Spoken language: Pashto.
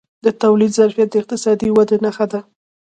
د تولید ظرفیت د اقتصادي ودې نښه ده.